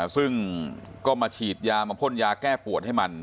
ซึ่งก็มาฉีดยามาพ่นยาแก้ปวดให้มัน